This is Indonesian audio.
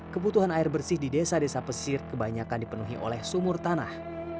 kebutuhan air bersih di desa desa pesir kebanyakan dipenuhi oleh sumur tanah